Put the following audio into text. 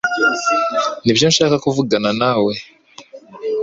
Nibyo nshaka kuvugana nawe.